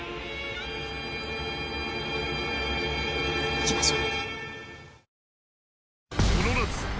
行きましょう。